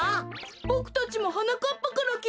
ボクたちもはなかっぱからきいたでごわす。